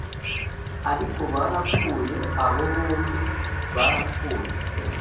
“ariko barapfuye; abo bombi barapfuye!